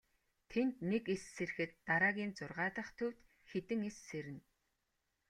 Тэнд нэг эс сэрэхэд дараагийн зургаа дахь төвд хэдэн эс сэрнэ.